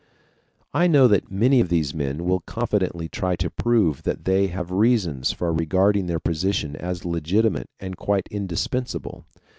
I know that many of these men will confidently try to prove that they have reasons for regarding their position as legitimate and quite indispensable.